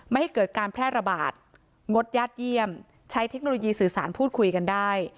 ไม่ให้เกิดการแพร่ระบาดงดญาติเยี่ยมใช้เทคโนโลยีสื่อสารพูดคุยกันได้